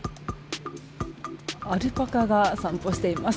アルパカが散歩しています。